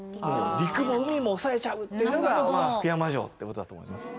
陸も海もおさえちゃうっていうのが福山城っていうことだと思います。